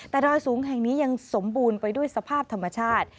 แต่ดอยสูงแห่งนี้ยังสมบูรณ์ไปด้วยสภาพธรรมชาติ